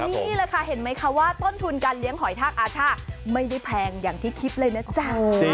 นี่แหละค่ะเห็นไหมคะว่าต้นทุนการเลี้ยงหอยทากอาช่าไม่ได้แพงอย่างที่คิดเลยนะจ๊ะ